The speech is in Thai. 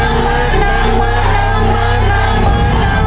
หมดหมดบาท